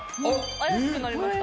怪しくなりました。